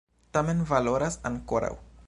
Tamen valoras ankoraŭ!